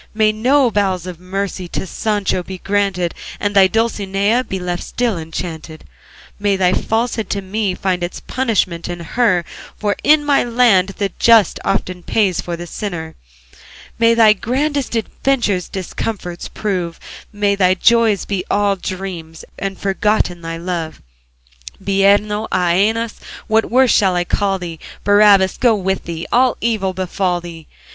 May no bowels of mercy To Sancho be granted, And thy Dulcinea Be left still enchanted, May thy falsehood to me Find its punishment in her, For in my land the just Often pays for the sinner. May thy grandest adventures Discomfitures prove, May thy joys be all dreams, And forgotten thy love. Bireno, Æneas, what worse shall I call thee? Barabbas go with thee! All evil befall thee!